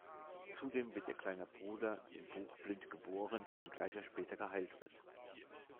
Zudem wird ihr kleiner Bruder im Buch blind geboren, wenngleich er später geheilt wird.